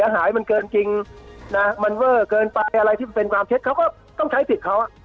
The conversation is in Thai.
หายมันเกินจริงนะมันเวอร์เกินไปอะไรที่มันเป็นความเท็จเขาก็ต้องใช้สิทธิ์เขา